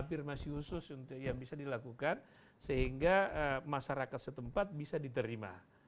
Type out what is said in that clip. afirmasi khusus untuk yang bisa dilakukan sehingga masyarakat setempat bisa diterima